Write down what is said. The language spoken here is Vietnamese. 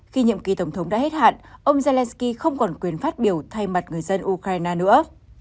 khi nhiệm kỳ tổng thống đã hết hạn ông zelensky không còn quyền phát biểu thay mặt người dân ukraine nữa